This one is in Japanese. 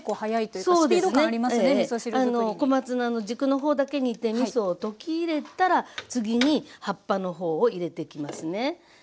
小松菜の軸の方だけ煮てみそを溶き入れたら次に葉っぱの方を入れてきますね。